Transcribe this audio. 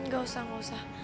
gak usah gak usah